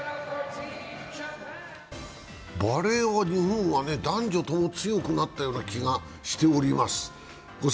バレーは日本は男女とも強くなった気がしております。